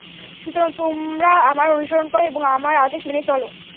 সুতরাং তোমরা আমার অনুসরণ কর এবং আমার আদেশ মেনে চল।